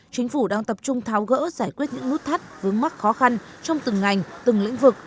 chính phủ đang tập trung tháo gỡ giải quyết những nút thắt vướng mắc khó khăn trong từng ngành từng lĩnh vực